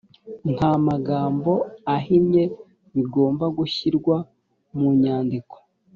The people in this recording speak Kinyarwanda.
nta magambo ahinnye bigomba gushyirwa mu nyandiko